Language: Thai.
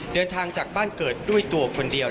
เดินทางจากบ้านเกิดด้วยตัวคนเดียว